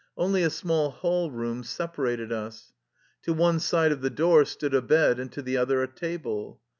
Only a small hall room separated us. To one side of the door stood a bed and to the other a table.